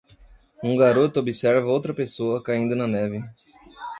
Um garoto observa outra pessoa caindo na neve.